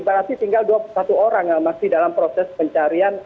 berarti tinggal dua puluh satu orang yang masih dalam proses pencarian